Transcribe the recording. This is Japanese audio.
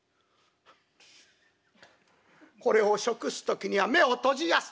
「これを食す時には目を閉じやす。